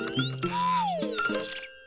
はい！